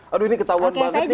aduh ini ketahuan banget nih